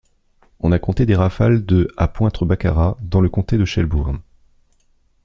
On a signalé des rafales de à Pointe-Baccara, dans le comté de Shelburne.